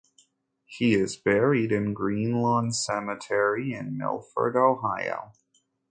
He is buried in Greenlawn Cemetery in Milford, Ohio.